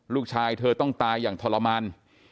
ลูกชายเธอต้องตายอย่างทรมาน